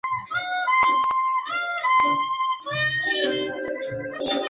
Juan recibió Bajo Hesse con la capital en Kassel y los feudos imperiales.